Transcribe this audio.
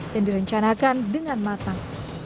dan direncanakan dengan matang